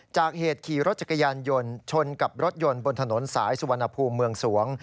จากเหตุขี่รถจักรยานยนต์ชนกับรถยนต์บนถนนสายสุวรรณภูมิเมืองสวง